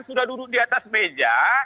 sudah duduk di atas meja